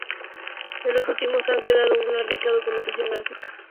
De los últimos ha quedado una rica documentación gráfica.